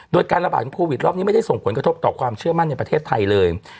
โดยการระบาดของโควิดรอบนี้ไม่ได้ส่งผลกระทบต่อความเชื่อมั่นในประเทศไทยเลย